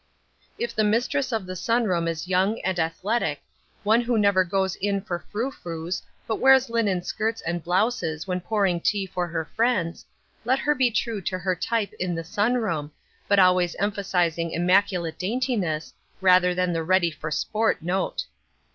If the mistress of the sun room is young and athletic, one who never goes in for frou frous, but wears linen skirts and blouses when pouring tea for her friends, let her be true to her type in the sun room, but always emphasising immaculate daintiness, rather than the ready for sport note.